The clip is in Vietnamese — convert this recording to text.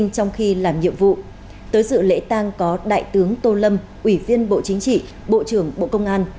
tới dự lễ tang có đại tướng tô lâm ủy viên bộ chính trị bộ trưởng bộ công an